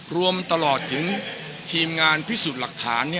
รวมตลอดถึงทีมงานพิสูจน์หลักฐาน